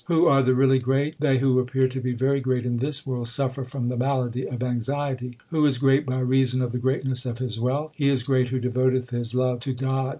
Who are the really great : They who appear to be very great in this world Suffer from the malady of anxiety. Who is great by reason of the greatness of his wealth ? He is great who devoteth his love to God.